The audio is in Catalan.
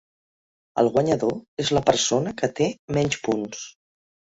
El guanyador és la persona que té menys punts.